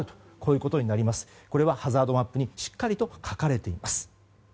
これはハザードマップにしっかりと書かれています。